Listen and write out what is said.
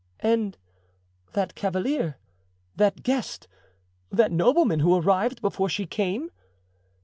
"And that cavalier, that guest, that nobleman who arrived before she came?"